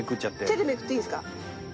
手でめくっていいんですか？